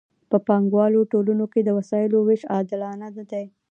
په پانګوالو ټولنو کې د وسایلو ویش عادلانه نه دی.